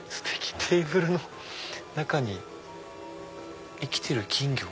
テーブルの中に生きてる金魚。